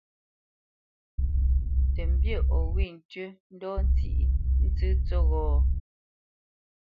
Tə mbî o wê tʉ́ ndɔ́ sǐʼ ntsə́ tsə́ghō?